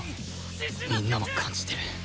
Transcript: みんなも感じてる